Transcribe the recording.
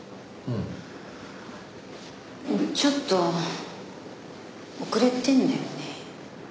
ちょっと遅れてるんだよね。